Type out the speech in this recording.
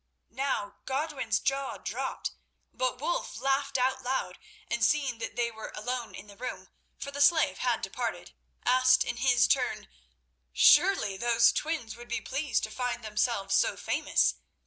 Now Godwin's jaw dropped, but Wulf laughed out loud, and seeing that they were alone in the room, for the slave had departed, asked in his turn: "Surely those twins would be pleased to find themselves so famous.